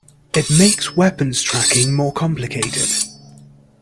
It makes weapons tracking more complicated.